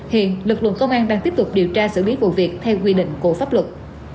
hiện lực lượng công an đang tiếp tục điều tra xử lý vụ việc theo quy định của pháp luật